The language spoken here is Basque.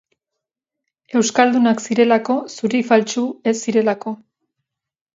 Euskaldunak zirelako, zuri faltsu ez zirelako.